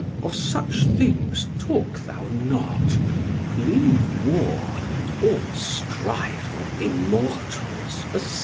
Of such things talk thou not; leave war and all strife of immortals aside."